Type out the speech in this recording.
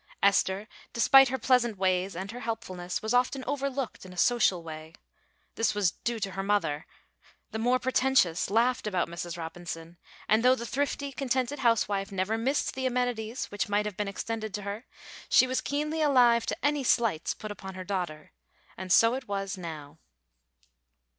Esther, despite her pleasant ways and her helpfulness, was often overlooked in a social way. This was due to her mother. The more pretentious laughed about Mrs. Robinson, and though the thrifty, contented housewife never missed the amenities which might have been extended to her, she was keenly alive to any slights put upon her daughter. And so it was now.